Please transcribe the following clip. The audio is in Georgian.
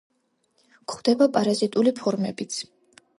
გვხვდება პარაზიტული ფორმებიც.